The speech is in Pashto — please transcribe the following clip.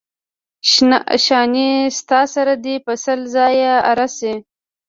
شانې ستا سر دې په سل ځایه اره شي.